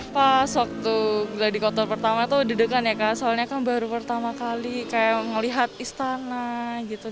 pas waktu gladikotor pertama tuh dedekan ya soalnya kan baru pertama kali kayak ngelihat istana gitu